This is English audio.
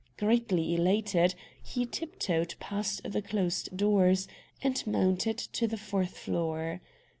Greatly elated, he tiptoed past the closed doors and mounted to the fourth floor.